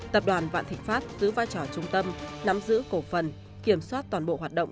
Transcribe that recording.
tập đoàn vạn thịnh pháp giữ vai trò trung tâm nắm giữ cổ phần kiểm soát toàn bộ hoạt động